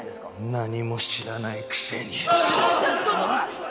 何も知らないくせに！